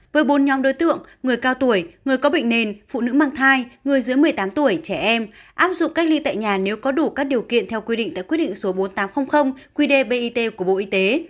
với bốn nhóm đối tượng người cao tuổi người có bệnh nền phụ nữ mang thai người dưới một mươi tám tuổi trẻ em áp dụng cách ly tại nhà nếu có đủ các điều kiện theo quy định tại quyết định số bốn nghìn tám trăm linh qdbit của bộ y tế